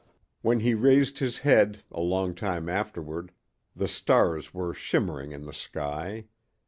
When he raised his head a long time afterward the stars were shimmering in the sky.